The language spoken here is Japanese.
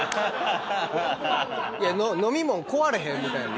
飲みもん壊れへん⁉みたいな。